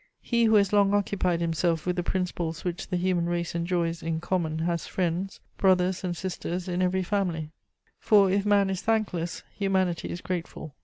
He who has long occupied himself with the principles which the human race enjoys in common has friends, brothers and sisters in every family; for, if man is thankless, humanity is grateful.